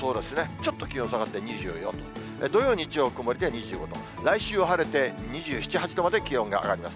ちょっと気温下がって２４度、土曜、日曜曇りで２５度、来週は晴れて、２７、８度まで気温が上がります。